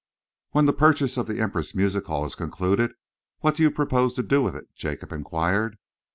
"When the purchase of the Empress Music Hall is concluded, what do you propose to do with it?" Jacob enquired.